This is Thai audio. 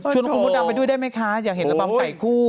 คุณมดดำไปด้วยได้ไหมคะอยากเห็นระบำไก่คู่